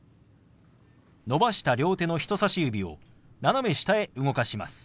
伸ばした両手の人さし指を斜め下へ動かします。